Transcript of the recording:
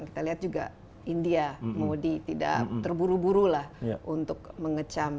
kita lihat juga india modi tidak terburu buru lah untuk mengecam